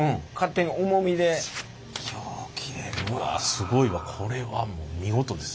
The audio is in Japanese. すごいわこれはもう見事です。